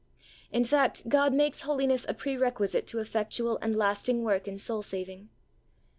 In fact, God makes holiness a pre requisite to effectual and lasting work in soul saving.